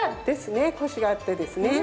コシがあってですね。